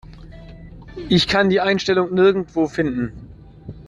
Ich kann die Einstellung nirgendwo finden.